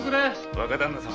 若旦那様